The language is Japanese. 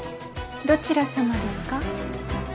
どちら様ですか？